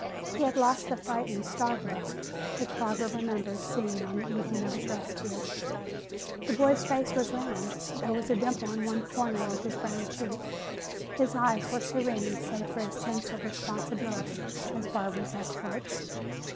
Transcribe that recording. He had lost the frightened, starved look which Barbara remembered seeing on the evening of his rescue. The boy's face was round, there was a dimple in one corner of his brown cheek. His eyes were serene save for his sense of responsibility as Barbara's escort.